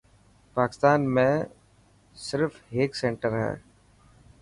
پاڪستان ۾ صرف هيڪ سينٽر هي.